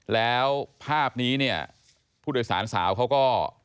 แล้วภาพนี้เนี่ยผู้โดยสารสาวเขาก็